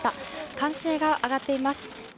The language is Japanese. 歓声が上がっています。